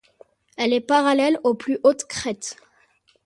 Elle est parallèle aux plus hautes crêtes.